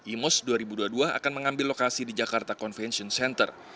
imus dua ribu dua puluh dua akan mengambil lokasi di jakarta convention center